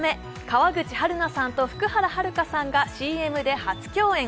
川口はるかさんと福原遥さんがＣＭで初共演。